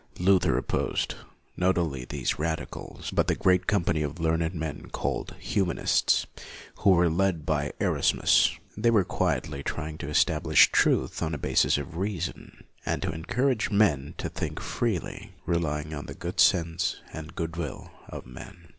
Luther opposed, not only these radicals, but the great company of learned men called Humanists, who were led by Erasmus. They were quietly trying to establish truth on a basis of reason, and to encourage men to think freely, rely LUTHER 23 ing on the good sense and the good will of men.